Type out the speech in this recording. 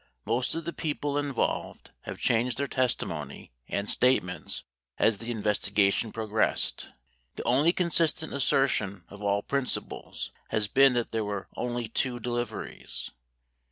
Most of the people involved have changed their testimony and statements as the investigation progressed. The only consistent asser tion of all principals has been that there were only two deliveries.